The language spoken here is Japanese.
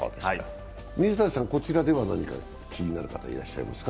水谷さん、こちらでは気になる方、いらっしゃいますか。